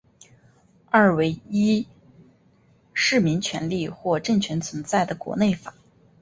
二为依市民权利或政权存在的国内法。